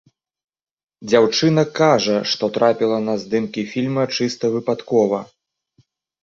Дзяўчына кажа, што трапіла на здымкі фільма чыста выпадкова.